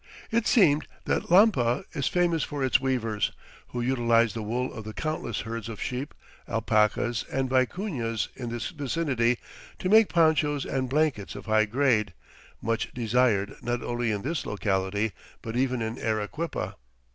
It seems that Lampa is famous for its weavers, who utilize the wool of the countless herds of sheep, alpacas, and vicuñas in this vicinity to make ponchos and blankets of high grade, much desired not only in this locality but even in Arequipa.